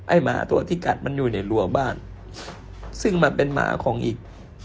หมาตัวที่กัดมันอยู่ในรัวบ้านซึ่งมันเป็นหมาของอีก